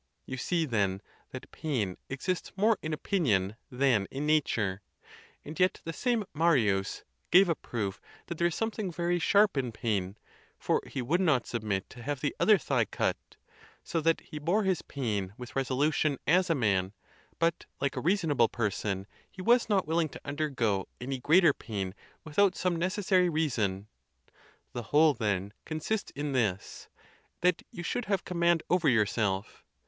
You see, then, that pain exists more in opinion than in nature; and yet the same Marius gave a proof that there is something very sharp in pain, for he would not submit to have the other thigh cut. So that he bore his pain with resolution as a man; but, 86 THE TUSCULAN DISPUTATIONS. like a reasonable person, he was not willing to undergo any greater pain without some necessary reason, The whole, then, consists in this—that you should have com mand over yourself.